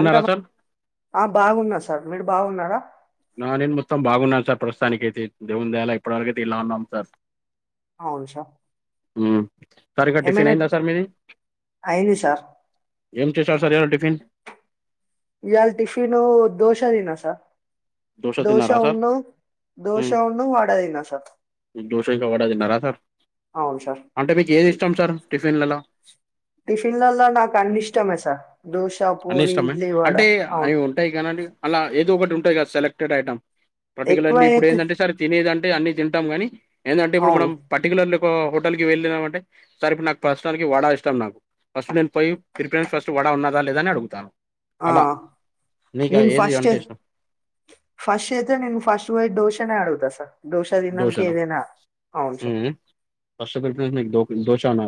అంత బా సార్ ఆ బాగున్నా సార్ మీరు బాగున్నారా నా నేను మొత్తం బాగున్నాను సార్ ప్రస్తుతానికి ఐతే దేవుని దయ వల్ల ఇప్పటివరకైతే ఇలా ఉన్నాం సార్ అవును సార్ ఉ సార్ ఇంకా టిఫిన్ ఏమైనా అయిందా సార్ మీది అయింది సార్ ఏం చేశారు సార్ ఈరోజు టిఫిన్ ఇయాల టిఫిన్ దోశ తిన్న సార్ దోశ తిన్నారా సార్ దోశను దోషను వడ తిన్న సార్ దోష ఇంకా వడ తిన్నారా సార్ అవును సార్ అంటే మీకు ఏది ఇష్టం సార్ టిఫిన్లలో టిఫిన్లలా నాకు అన్నిష్టమే సార్ దోశ పూరి ఇడ్లీ వడ అవును టాయి కదండి అలా ఏదో ఒకటి ఉంటాయి కదా సెలక్టెడ్ ఐటమ్ ఎక్కువ పర్టికులర్లీ ఇప్పుడు అయితే ఏందంటే సర్ తినేదంటే అన్ని తింటాం కానీ ఏందంటే ఇప్పుడు అవును మనం పర్టికులర్లీ ఒక హోటల్కి వెళ్ళినా అంటే సార్ ఇప్పుడు నాకు ప్రస్తుతానికి వడ ఇష్టం నాకు ఫస్ట్ నేను పోయి ప్రిపరేషన్ ఫస్ట్ వడ ఉన్నదా లేద అని అడుగుత ఆ నేను ఫస్ట్ అంటే ఇష్టం ఫస్ట్ అయితే నేను ఫస్ట్ పోయ్ దోశనే ఆడగుతా సార్ దోశ తిన్నంకే దోశనా ఏదైనా అవును సార్ హ్మ్. ఫస్ట్ ప్రిఫెరెన్స్ మీకు దో ధోషా నా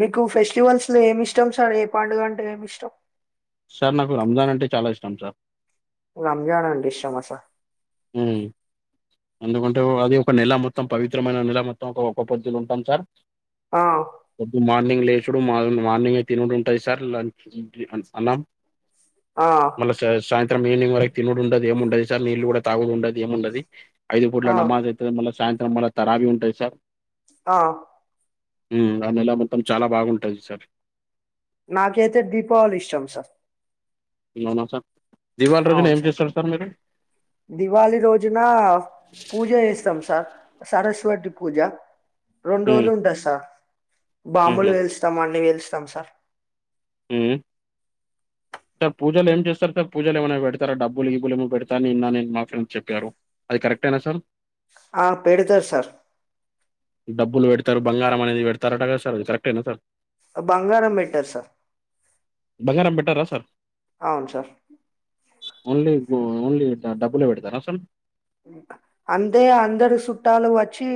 మీకు ఫెస్టివల్స్ లో ఏమి ఇష్టం సార్ ఏ పండుగ అంటే ఏమి ఇష్టం సార్ నాకు రంజాన్ అంటే చాలా ఇష్టం సార్ రంజాన్ అంటె ఇస్టమా సార్ ఉమ్ ఎందుకంటే అది ఒక నెల మొత్తం పవిత్రమైన నెల మొత్తం ఒక ఒక్క పొద్దులు ఉంటాం సార్ ఆ డు మార్నింగ్ లేసుడు మా మార్నింగ్యి తినుడు ఉంటది సార్ లంచ్ అన్నా ఆ సాయంత్రం ఈవినింగ్ వరకు తినుడుండది ఏముండది సార్ నీళ్లు కూడా తాగుఉండది ఏముండది ఐదు పూట్ల ఆ నమాజ్ అయితే మళ్ళీ సాయంత్రం మళ్ళా తరాబీ ఉంటది సార్ ఆ ఉమ్ ఆ నెల మొత్తం చాలా బాగుంటది సార్ నాకైతే దీపావళి ఇష్టం సార్ అవునా సార్ దివాళి రోజున ఏం చేస్తారు సార్ మీరు దివాళి రోజునా పూజ చేస్తాం సార్ సరస్వతి పూజ రెండు హ్మ్. రోజులు ఉంటద్ సార్ బాంబులు హుహు. పెలుస్తాం అన్ని పెలుస్తాం సార్ ఉ సార్ పూజలు ఏం చేస్తారు. సార్ పూజలు ఏమైనా పెడతార డబ్బులు గిబ్బులు ఏమన్నా పెడతార అని ఇన్న నేను మా ఫ్రెండ్స్ చెప్పారు. అది కరెక్టేనా సార్ ఆ పెడుతారు సార్ డబ్బులు పెడతారు బంగారం అనేది పెడతారట కద సార్ అది కరక్టేనా సార్ బంగారం పెట్టారు సార్ బంగారం పెట్టరా సార్ అవును సార్ ఓన్లీ ఓన్లీ డబ్బులే పెడతారా సార్ అందే అందరు చుట్టాలు వచ్చి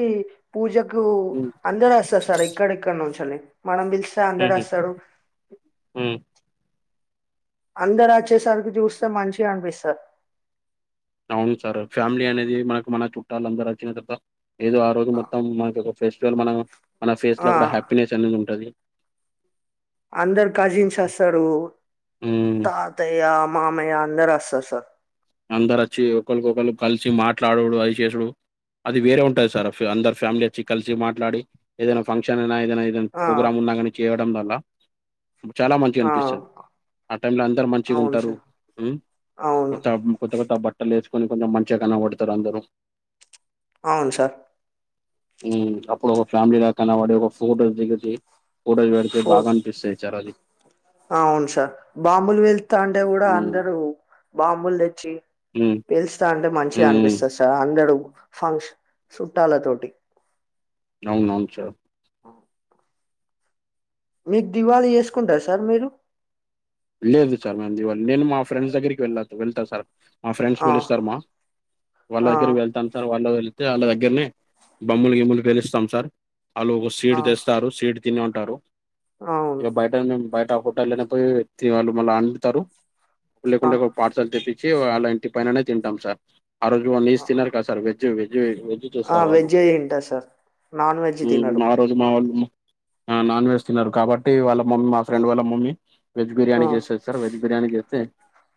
పూజకు ఉమ్, అందరు వస్తర్ సార్ ఏక్కడెక్కడ నుంచెల్లీ మనం పిలిస్తే అందరు ఉమ్, వస్తారు. ఉమ్. అందరు ఆచ్చేసరికి చూస్తే మంచిగా అనిపిస్తాది. అవును సార్ ఫ్యామిలీ అనేది మనకు మన చుట్టాలు అందరు వచ్చిన తర్వాత ఏదో ఆ రోజు మొత్తం మనకు ఒక ఫెస్టివల్ మనం మన ఫేస్ ఆ లో కూడా హ్యాపీనెస్ అనేది ఉంటది. అందరు కజిన్స్ వస్తారు. ఉమ్. తాతయ్య మామయ్య అందరు వస్తరు సార్ అందరు వచ్చి ఒకరిఒకళ్ళు కలిసి వచ్చి మాట్లాడుతడు అది చేసుడు అది వేరే ఉంటుది. సార్ అందరు ఫ్యామిలీ వచ్చి కలిసి మాట్లాడి ఏదైనా ఫంక్షన్ అయినా ఏదైనా ఆ ప్రోగ్రామ్ ఉన్నా కానీ చేయడం వల్ల చాలా మంచిగా ఆ అనిపిస్తది. ఆ టైమ్ లో అందరు మంచిగా అవును ఉంటారు సార్ హ్ అవును కొత్త కొత్త కొత్త బట్టలు వేసుకొని కొంచెం మంచిగా కనపడతారు అందరు అవును సార్ అప్పుడు ఒక ఫ్యామిలీల కనపడి ఒక ఫోటోస్ దిగీతే కూటలు పెడితే ఫోర్ బాగా అనిపిస్తాది చ్చారు అది అవును సార్ బాంబులు పెలుతంటే కూడా ఉమ్ అందరు బాంబులు తెచ్చి హ్ పేలుస్తా అంటే మంచిగా అనిపిస్తది సార్ అందరూ ఫంక్షన్ చుట్టాల తోటి అవునువును సార్ మీకు దివాళీ చేసుకుంటార సార్ మీరు లేదు సార్ మేము దీవాలి నేను మా ఫ్రెండ్స్ దగ్గరికి వెళ్ళ వెళ్తా సార్ మా ఫ్రెండ్స్ ఆ పీలుస్తారు మా వాళ్ళ ఆ దగ్గర వెళ్తాను. సార్ వాళ్ళు వెళ్తే వాళ్ళ దగ్గరనే బమ్ములు గిమ్ములు పేలుస్తాం సార్ వాళ్ళు ఒక ఆ స్వీట్ తెస్తారు. స్వీట్ తినేఉంటారు అవును ఇగా బయట బయట హోటల్ ల పోయి వాళ్ళు మళ్ళ వాళ్ళు అండు తరు ఆ లేకుంటే మల్ల పార్సల్ తెప్పించి అళ ఇంటి పైననే తింటాం. సార్ ఆ రోజు నిస్ ఆ తిన్నారు కదా సార్ వెజ్ వెజ్ వెజ్ ఆ చేస్తారు వాళ్ళు వెజ్జ్ తింటా సార్ నాన్ వెజ్ ఉమ్, తినరు ఆ రోజు మా వాళ్ళు నాన్ వెజ్ తిన్నారు. కాబట్టి వాళ్ళ మమ్మీ మా ఫ్రెండ్ వాళ్ళ మమ్మీ వెజ్ ఆ బిర్యానీ చేస్తది. సార్ వెజ్ బిర్యానీ చేస్తే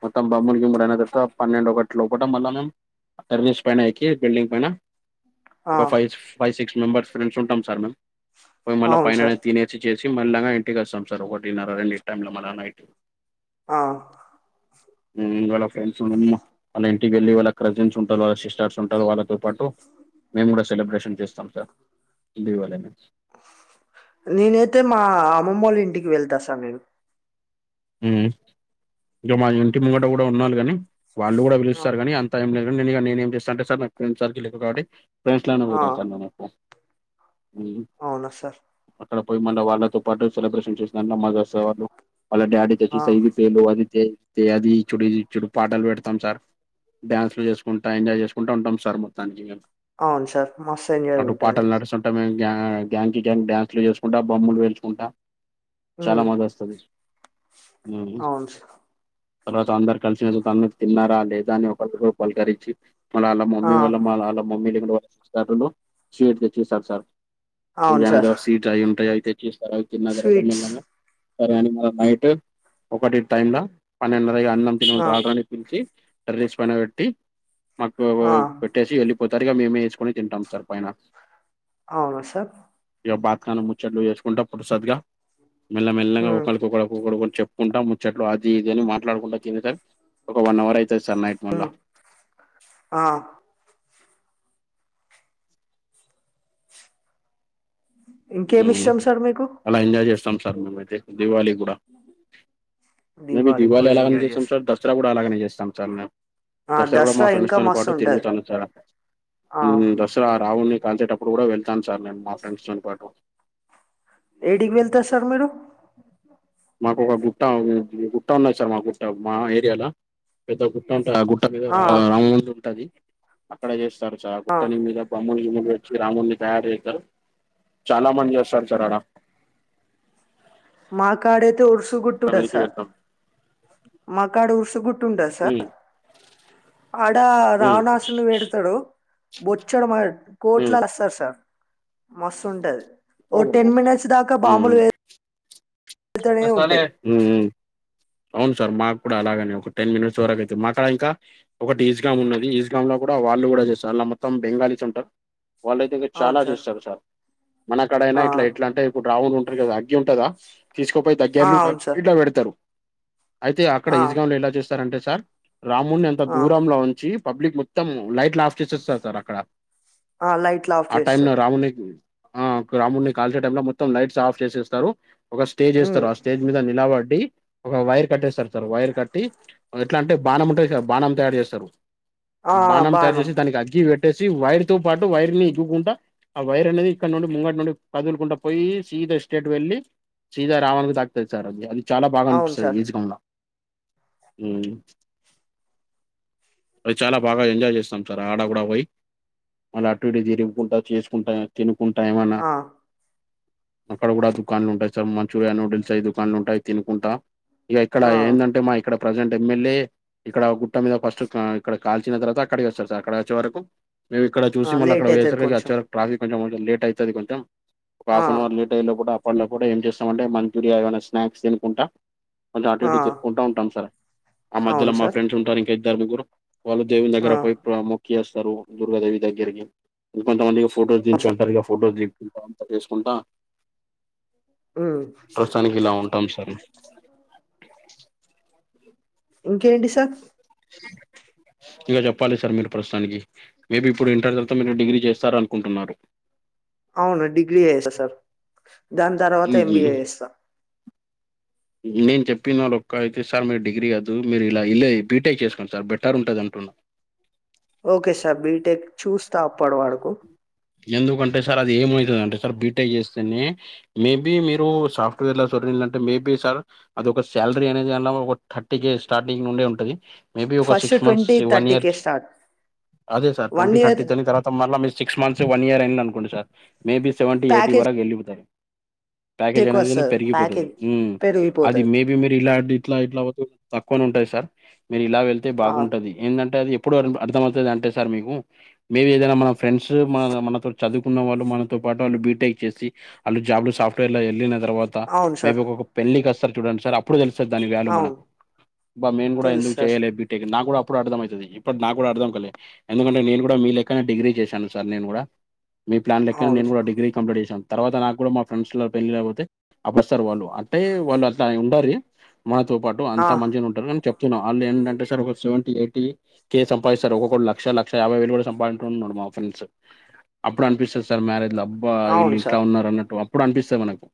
మొత్తం బమ్మలు గుములు అయిన తర్వాత పన్నెండు ఒకటీ లోపటం మళ్ళా మేము టర్నిస్ పైన ఏకి బిల్డింగ్ పైన ఆ ఒక five five six members friends ఉంటాం సార్ మేము పో మళ్ళా అవును పైననే సార్ తినే చ్చ చేసి మేళ్ల్లగా ఇంటికి వస్తాం సార్ ఒకటినర రెండిటి టైమ్ లో మల్ల నైట్ ఆ హ్మ్ వాళ్ళ ఫ్రెండ్స్ ఉన్నా అమ్మ వల్ల ఇం ఇంటికి వెళ్లి వాళ్ళ కజీన్స్ ఉంటారు. వాళ్ళ సిస్టర్స్ ఉంటారు. వాళ్ళతో పాటు మేము కూడా సెలబ్రేషన్ చేస్తాం. సార్ దీవలీని నేనైతే మా అమ్మమ్మ వాళ్ళ ఇంటికి వెళ్తా సార్ నేను హ్ ఇంకా మా ఇంటి ముంగట కూడా ఉన్నారు కాని వాళ్ళు కూడా ఆ పిలుస్తారు. కానీ అంత ఏం లేదు నేను ఇగ ఏం చేస్తా అంటె సార్ నాకు ఫ్రెండ్స్ సర్కిల్ ఎక్కువ కాబట్టి ఫ్రెండ్స్ లనే ఆ! పోత సరు నేను ఉ అవునా సార్ అక్కడ పోయి మళ్ళీ వాళ్ళతో పాటు సెలబ్రేషన్ చేసిన [unintelligible] వాళ్ల డాడీ తో ఆ! పాటు పేలు అది అది చుడి చుడి పాటాలు పెడతాం సార్ డ్యాన్స్లు చేసుకుంటా ఎంజాయ్ చేసుకుంటా ఉంటాం సార్ మొత్తానికి ఇగ అవును సార్. మస్తు ఎంజాయ్ అటు ఉంటది. పాటలు నడుస్ గ్యాంగ్ కి గ్యాంగ్ డ్యాన్సులు చేసుకుంటా బాంబులు పేల్చుకుంటా చాలా హ్మ్. మళ్లీ వస్తారు ఉమ్ అవును సార్. తర్వాత అందరు కలిసిన తన తిన్నారా లేదా అని ఒకరికి ఒకరు పలకరించి మళ్ళ వాళ్ళ ఆ! మమ్మీ వాళ్ళ మళ్ళ వాళ్ళ మమ్మీ స్వీట్ తెచ్చిర్రు సార్ పూజా అవును అయిన సార్. తర్వాత స్వీటు అయ్యి ఉంటాయి అయితే ఇస్తారు అవి తిన్న స్వీట్స్. తర్వాత సరే అని నైట్ ఒకటి టైం లా పన్నెండున్నరగా అన్నం తినండి ఆ! రారా అని పిలిచి టెర్రస్ పైన పెట్టి మాకు ఆ! పెట్టేసి వెళ్ళిపోతారు ఇగ మేమే వేసుకొని తింటాం సార్ పైన అవునా సార్ ఇగ బాత్కాన ముచ్చట్లు వేసుకుంటా పులసత్క మెల్లమెల్లగా హ్మ్. ఒక్కొక్కడు ఒక్కొక్కడు చెప్పుకుంటా ముచ్చట్లు అది ఇది అని మాట్లాడుకుంటా తినేసరికి ఒక వన్ అవర్ అవుతుంది సార్ నైట్ మళ్ళా ఆ ఇంకేమి ఉమ్ ఇష్టం సార్ మీకు అలా ఎంజాయ్ చేస్తాం సార్ మేమైతే దీవాళికి కూడా మేము దీపావళికి దీవాళికి కూడా ఎలాగా ఎంజాయ్ చేస్తాం చేస్ సర్ దసరా కూడా అలాగనే చేస్తాం సార్ మేం ఆ! దసరా కూడా మా ఫ్రెండ్స్ ఇంకా తో మస్తు పాటు ఉంటది. తిరుగుతాను సారా ఆ! దసరా రావున్ని కాల్చేటప్పుడు కూడా వెళ్తాను సార్ నేను మా ఫ్రెండ్స్నీ తో పాటు ఏడికి వెళ్తారు సార్ మీరు మాకు ఒక గుట్ట గుట్ట ఉన్నది సార్ మా గుట్ట మా ఏరియాలో పెద్ద గుట్ట ఉంటది ఆ గుట్ట మీద ఆ! రా రాముని గుట్ట అది అక్కడ చేస్తారు సార్ ఆ గుట్టని మీద బాంబులు గిమ్ములు తెచ్చి రావున్ని తయారు చేతారు చాలా మంది వస్తారు సార్ ఆడ మా కాడ అయితే ఉర్సు గుట్ట ఉంటది మీదకి సార్ వెళ్తాం మా కాడ ఉర్సు గు సార్ ఉమ్ ఆడ ఉమ్ రావణాసురు పెడతాడు బొచ్చడు ఉమ్ కోట్లాలు వస్తారు సార్ మస్తు ఉంటది ఓ ఉమ్ ఉమ్ టెన్ మినిట్స్ దాకా బాంబులు పె [unintelligible] ఊ ఊ అవును సార్ మాకు కూడా అలాగనే ఒక టెన్ మినిట్స్ వరకు అయితే మాక్కడ ఇంకా ఒకటి ఈజ్గాం ఉన్నది ఈజ్గాం లో కూడా వాళ్ళు కూడా చేస్తారు అలా మొత్తం బెంగాలీస్ ఉంటారు వాళ్ళయితే ఇంకా చాలా చేస్తారు సార్ మన కాడైనా ఆ ఇట్లా ఎట్లా అంటే ఇప్పుడు [unintelligible] ఉంటారు కదా తగ్గి ఉంటుందా తీసుకోపోయి ఆ దగ్గర్ల అవును సార్ ఇట్లా పెడతారు అయితే అక్కడ ఆ ఈజగాంలో ఎలా చేస్తారంటే సార్ రామున్ని అంతా ఆ దూరంలో ఉంచి పబ్లిక్ మొత్తం లైట్ ఆఫ్ చేసేస్తారు సార్ అక్కడ ఆ లైట్లు ఆఫ్ ఆ టైమ్ లో చేస్తారు రావున్ని ఆ రామున్నీ కాల్చే టై లో మొత్తం లైట్స్ ఆఫ్ చేసేస్తారు ఒక స్టేజ్ ఉమ్ వేస్తారు ఆ స్టేజ్ మీద నిలబడి ఒక వైర్ కట్టేస్తారు సార్ వైర్ కట్టి ఎట్లా అంటే బాణం ఉంటదిగా సార్ బాణం తయారు చేస్తారు ఆ బాణం తయారు బాను చేసి దానికి అగ్గి పెట్టేసి వైర్ తో పాటు వైర్ ని ఇగ్గుకుంట ఆ వైర్ అనేది ఇక్కడ నుండి ముంగటి నుండి కదులుకుంటా పోయి సీద స్టేట్ వెళ్లి సీదా రావున్ని తాకుతది సార్ అది అది చాలా బాగానీ అవును సార్ ఉ అది చాలా బాగా ఎంజాయ్ చేస్తాం సార్ ఆడ కూడా పోయి మళ్ళ అటుంటి తిరుగుకుంటా చేసుకుంటా తినుుకుంటా ఏమన్నా ఆ అక్కడ కూడా దుకాన్లు ఉంటాయి. సార్ మంచూరియా, నూడిల్స్ దుకాన్లు ఉంటాయి. తికుంటా ఇక ఇక్కడ ఆ ఏంటంటే మా ఇక్కడ ప్రజెంట్ ఎమ్మెల్యే ఇక్కడ గుట్ట మీద ఫస్ట్ ఇక్కడ కాల్చిన తర్వాత అక్కడికి వస్తారు. సార్ అక్కడకి వచ్చే వరకు మేము ఇక్కడ చూసి ఆ మళ్ళీ లేట్ అక్కడ అయితది వేసరికి వచ్చ కొంచెం ట్రాఫక్ కొంచెం లేట్ అవుతుంది. కొంచం ఒక ఆ హాఫ్ అన్ అవర్ లేట్ కూడా అప్పట్లో కూడా ఏం చేస్తామంటే మంచూరియా ఏమైనా స్నాక్స్ తికుంటా కొంచెం అటు ఆ ఇటు తిరుగుకుంటూ ఉంటాం. సార్ ఆ మధ్యలో అవును మా సార్ ఫ్రెండ్స్ ఉంటారు. ఇంకా ఇద్దరు ముగ్గురు వాళ్ళు దేవుని ఆ దగ్గర పోయి మొక్కి అస్తారు. దుర్గాదేవి దగ్గరికి కొంతమంది ఫోటో అవును దించ సార్ అంటారుగా ఫోటో తీిారు అంతా చేసుకుంటా అ ప్రస్తుతానికి ఇలా ఉంటాం సార్ ఇంకేంటి సార్ ఇంక చెప్పాలి సార్ మీరు ప్రస్తుతానికి మేబి ఇప్పుడు ఇంటర్ తవాత మీరు డిగ్రీ చేస్తారు అనుకుంటున్నారు. అవును డిగ్రీ చేస్తా సార్ దాని తర్వాత ఈ- ఎంబీఏ చేస్తా. నేను చెప్పిన వాళ్ళు ఒక్క అయితే సార్ మీరు డిగ్రీ కాద్దు మీరు ఇలా ఇల్ బీటెక్ చేసుకోండి సార్ బెటర్ ఉంటుంది. అంటున్నా ఓకే సార్ బీటెక్ చూస్తా అప్పడి వరకు ఎందుకంటే సార్ అది ఏమవుతుంది అంటే సార్. బి టేక్ చేస్తేనే మేబీ మీరు సాఫ్ట్వేర్ లో సోరంటే మేబీ సార్ అది ఒక శాలరీ అనేది అలా ఒక థర్టీ కే స్టార్టింగ్ నుండడి ఉంటది. మేబి ఒక first six months twenty one thirty K years start అదే sir one twenty thirty year దాని తర్వాత మళ్ళీ మీ సిక్స్ మంత్స్ వన్ ఇయర్ అయి అనుకోండి sir maybe seventy eighty package వరకు వెళ్ళిపోతారు. ప్యాకేజ్ ఎక్కువ అనేది వస్తది పెరిగిపోతుంది. ప్యాకేజ్ హ్మ్మ్ అది పెరిగిపోతది మే ఇవి మీరు ఇలా ఇట్లా ఇట్లా తక్కువని ఉంటాయి. సార్ మీరు ఇలా వెళ్తే ఆ బాగుంటది. ఏంటంటే అది ఎప్పుడు అర్థంమవుతుది అంటే సార్ మీకు మేబీ ఏదైనా మన ఫ్రెండ్స్ మన మనతో చదువు ఉన్నవాళ్ళు మనతో పాటు వాళ్ళు బీటెక్ చేసి వాళ్ళు జాబ్లు సాఫ్ట్వేర్ లో వెళ్ళిన తర్వాత అవును మేబీ సార్ ఒక పెళ్ళకి వస్తారు చూడండి. సార్ అప్పుడు తెలుస్తాది దాని వాల్యూ అవును మనకు, అబ్బా మేము కూడా తెలుసు ఎందుకు సార్ చేయలేదు నా కూడా అప్పుడు అర్థమవుతది. ఇప్పుడు నాకు కూడా అర్థం కాలే ఎందుకంటే నేను కూడా మీ లే కానే డిగ్రీ చేశాను. సార్ నేను కూడా మీ ప్లాన్ లెక్క అవును నేను కూడా సార్ డిగ్రీ కంప్లీట్ చేసాం తర్వాత నాకు కూడా మా ఫ్రెండ్స్ లో పెళ్ళి లేకపోతే అప్పుడుస్తారు వాళ్ళు అంటే వాళ్ళు అట్లా ఉండ మనతో పాటు ఆ అంతా మంచిగానే ఉంటారు. చెప్తున్నాం. వాళ్ళు ఏంటంటే సార్ ఒక సెవెంటీ ఎయిటీ కే సంపాదిస్తారు. ఒక్కొకడు లక్ష, లక్ష యాబైవేలు కూడా సంపాించ ఉన్నాడు. మా ఫ్రెండ్స్ అప్పుడు అనిపిస్తుంది సార్ మ్యారేజ్ లో అబ్బా ఇల్ అవును ఇట్ల సార్ ఉన్నారు. అన్నట్టు ఇప్పుడు అనిపిస్తుాంది మనకు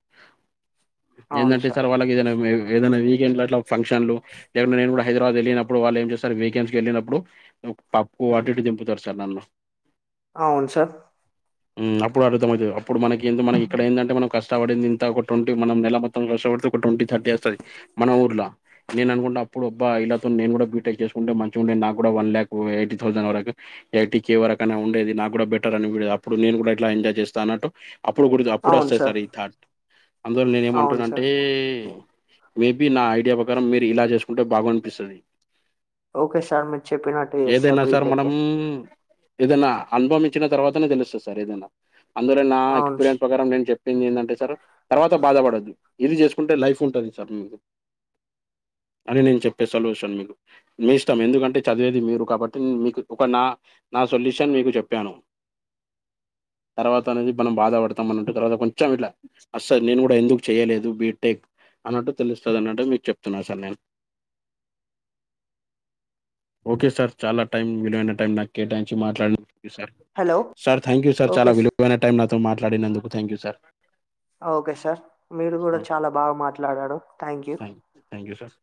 ఏంటంటే సార్ వాళ్ళకి ఏదైనా ఏదైనా వీకండ్లు అట్లా ఫంక్షన్లు లే నేను కూడా హైదబాద్ వెళ్ళినప్పు వాళ్ళు ఏం చేస్త వీకెండ్స్ కి వెళ్ళినప్పుడు నువ్వు పప్పు అటుటు దింపుతారు. సార్ నన్ను అవును సార్ అప్పుడు అర్థమవుతుంది. అప్పుడు మనకి ఇక్కడ ఏంది ఏంటే మనం కష్టపడింది ఇంత ఒక ట్వంటీ మనం నెల మొత్తం కష్టపడుత ట్వంటీ థర్టీ వస్తుంది. మన ఊర్లో నేను అనుకుంటా ఇప్పుడు ఆబ్బా ఇళ్లతో నేను కూడా బీటెక్ చేసుకుంటే మంచిగా ఉండే నాకు కూడా వన్ ల్యాక్ ఎయిటీ థౌజండ్ వరకు ఎయి వరకైనా ఉండేది. నాకు కూడా బెటర్ అనిేది అప్పుడు నేను కూడా ఎలా ఎజాయ్ చేస్తా అనాట్టు అప్పుడు గురూతు అప్పుడు వస్తాయి సార్ ఈ థాట్ అందువల్ల నేను అవును ఏమంటానంటే సార్ మేబి నా ఐడియా ప్రకారం మీరు ఇలా చేసుకుంటే బాగా అనిపిస్తుంది. ఓకే సార్ మీరు చెప్పినట్టు చేస్తా ఏదైనా సార్ బీటెక్ మనం ఏదనా అనుభవించిన తర్వాతనే తెలుస్తుంది. సార్ ఏదైనా అందులో నా అవును ఎక్స్పీరియన్స్ ప్రకారం నేను చెప్ా పెళ్లిలంటే చరు తర్వాత బాధపడద్దు, ఇది చేసుకుంటే లైఫ్ ఉంటుంది సార్. అదె నేను చెప్పే సొల్యూషన్ మీకు. మీ ఇష్టం ఎందుకంటే చదివేది మీరు కాబట్టి మీకు ఒక నా నా సొల్యూషన్ మీకు చెప్యాను తర్వాత అనేది మనం బాధపడతాం అని అంటే తర్వాత కొంచెం ఇట్లా అస్సల్ నేను గుడ ఎందుకు చెయలేదు బీటెక్ అన్నట్టు తెలుస్తుంది అన్నట్టు మీకు చెప్తున్నా సార్ నేను అ ఓకే సార్, చాలా టైం విలువైన టైం నాక్ కేటాయించి మాట్లాడి sir, hello sir thank you sir okay చాలా విలు వైన టైం నాతో మాట్లాడినందుకు థ్యాంక్యూ సార్ ఓకే సార్ మీరు గుడ చాలా బాగా మాట్లాడారు థ్యాంక్ యూ. Thank you sir